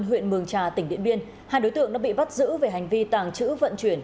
huyện mường trà tỉnh điện biên hai đối tượng đã bị bắt giữ về hành vi tàng trữ vận chuyển